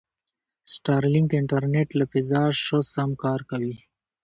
سټارلینک انټرنېټ له فضا شه سم کار کوي.